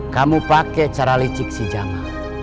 kamu pakai cara licik si jama